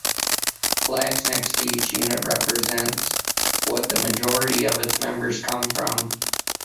Flags next to each unit represents what the majority of its members come from.